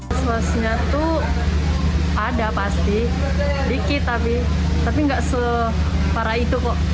was wasnya tuh ada pasti dikit tapi tapi nggak separah itu kok